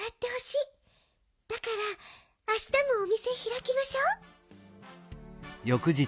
だからあしたもおみせひらきましょう。